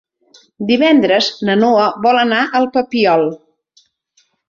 Divendres na Noa vol anar al Papiol.